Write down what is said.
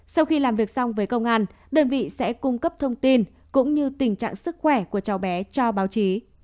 sau khi làm việc xong với công an đơn vị sẽ cung cấp thông tin cũng như tình trạng sức khỏe của cháu bé cho báo chí